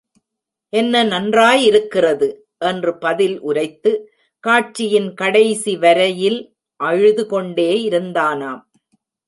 என்ன நன்றாயிருக்கிறது! என்று பதில் உரைத்து, காட்சியின் கடைசிவரையில் அழுது கொண்டே இருந்தானாம்.